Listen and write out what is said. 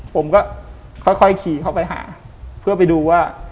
ผมก็ค่อยขี่เข้าไปหาเพื่อไปดูว่า